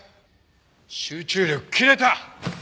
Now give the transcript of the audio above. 集中力切れた！